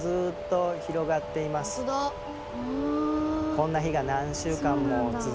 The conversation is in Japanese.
こんな日が何週間も続くんですよ。